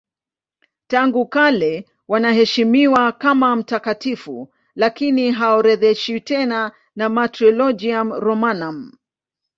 Tangu kale wanaheshimiwa kama mtakatifu lakini haorodheshwi tena na Martyrologium Romanum.